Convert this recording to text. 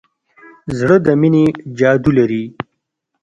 زړه د مینې جادو لري.